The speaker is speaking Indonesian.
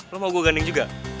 lo mau gue ganding juga